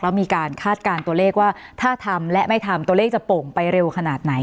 แล้วมีการคาดการณ์ตัวเลขว่าถ้าทำและไม่ทำตัวเลขจะโป่งไปเร็วขนาดไหน